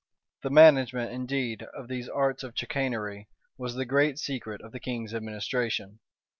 The management, indeed, of these arts of chicanery, was the great secret of the king's administration.